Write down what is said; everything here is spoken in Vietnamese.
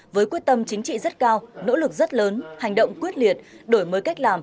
với quyết tâm chính trị rất cao nỗ lực rất lớn hành động quyết liệt đổi mới cách làm